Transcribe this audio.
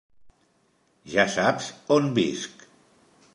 Ja saps on visc.